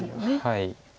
はい。